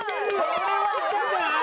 これはいったんじゃない？